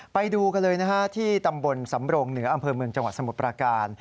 ไปดูกันเลยนะฮะที่ตำบลสำรงเหนืออำเภอเมืองจังหวัดสมุทรปราการ